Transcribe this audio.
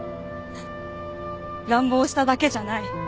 乱暴しただけじゃない。